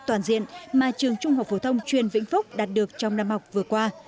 toàn diện mà trường trung học phổ thông chuyên vĩnh phúc đạt được trong năm học vừa qua